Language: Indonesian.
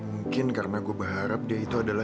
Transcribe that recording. masuk kancang kita dulu